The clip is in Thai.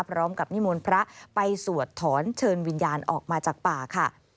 พร้อมกับนิมนต์พระไปสวดถอนเชิญวิญญาณออกมาจากป่าค่ะ